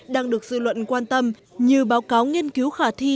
đang được dư luận quan tâm như báo cáo nghiên cứu khả thi